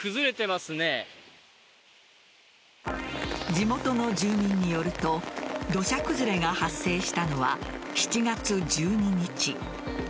地元の住人によると土砂崩れが発生したのは７月１２日。